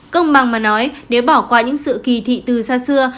công bằng mà nói nếu bỏ qua những sự kỳ thị từ xa xưa